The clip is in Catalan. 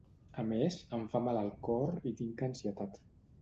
A més, em fa mal el cor i tinc ansietat.